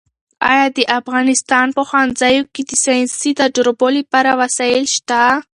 ایا د افغانستان په ښوونځیو کې د ساینسي تجربو لپاره وسایل شته؟